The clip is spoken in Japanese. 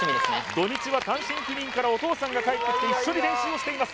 土日は単身赴任からお父さんが帰ってきて一緒に練習をしています